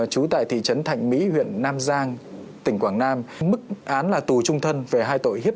trú tại thị trấn thạnh mỹ huyện nam giang tỉnh quảng nam mức án là tù trung thân về hai tội hi